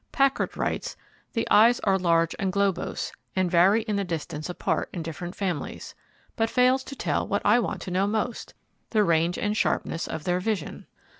Packard writes: "The eyes are large and globose and vary in the distance apart in different families": but fails to tell what I want to know most: the range and sharpness of their vision.